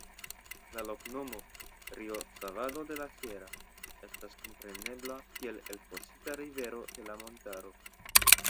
La loknomo "Riocavado de la Sierra" estas komprenebla kiel Elfosita Rivero de la Montaro.